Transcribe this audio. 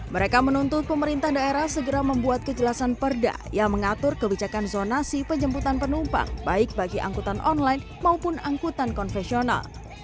mereka menuntut pemerintah daerah segera membuat kejelasan perda yang mengatur kebijakan zonasi penjemputan penumpang baik bagi angkutan online maupun angkutan konvensional